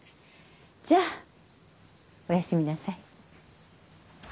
じゃあお休みなさい。